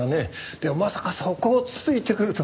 でもまさかそこをつついてくるとは。